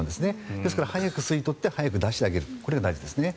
ですから早く吸い取って早く出してあげるこれが大事ですね。